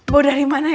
jangan dekat dekat